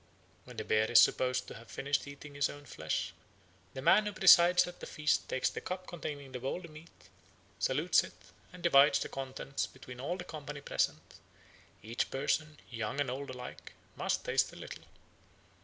When the bear is supposed to have finished eating its own flesh, the man who presides at the feast takes the cup containing the boiled meat, salutes it, and divides the contents between all the company present: every person, young and old alike, must taste a little.